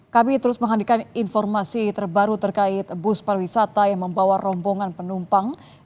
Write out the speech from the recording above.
kami terus menghadirkan informasi terbaru terkait bus pariwisata yang membawa rombongan penumpang